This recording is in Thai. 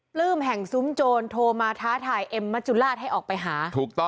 ปลื้มแห่งซุ่มโจรโทรมาท้าทายเอ็มมัจจุลาศให้ออกไปหา